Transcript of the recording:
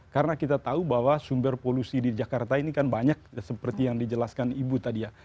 karena kita tahu bahwa sumber polusi di jakarta ini kan banyak seperti yang dijelaskan ibu tadi ya